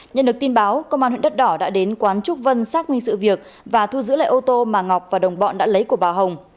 nhận được tin báo công an huyện đất đỏ đã đến quán chúc vân xác minh sự việc và thu giữ lại ô tô mà ngọc và đồng bọn đã lấy của bà hồng